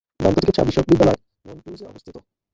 দন্তচিকিৎসা বিদ্যালয় মনট্রুজে অবস্থিত।